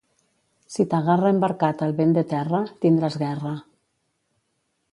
Si t'agarra embarcat el vent de terra, tindràs guerra.